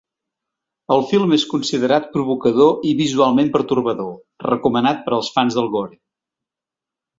El film és considerat provocador i visualment pertorbador, recomanat per als fans del gore.